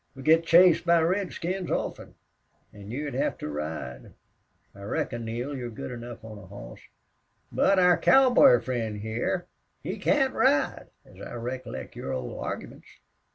We git chased by redskins often. An' you'd hev to ride. I reckon, Neale, you're good enough on a hoss. But our cowboy friend hyar, he can't ride, as I recollect your old argyments."